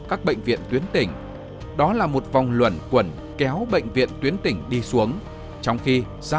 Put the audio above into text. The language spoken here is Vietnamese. các bệnh viện tuyến tỉnh đó là một vòng luận quẩn kéo bệnh viện tuyến tỉnh đi xuống trong khi gia